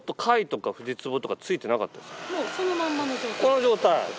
この状態。